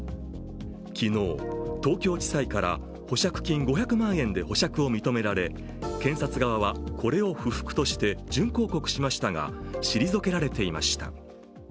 昨日、東京地裁から保釈金５００万円で保釈を認められ検察側は、これを不服として準抗告しましたが退けられていました。